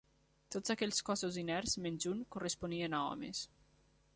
Tots aquells cossos inerts, menys un, corresponien a homes.